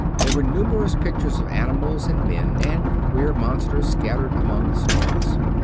There were numerous pictures of animals and men, and of queer^ monsters, scattered among the stars.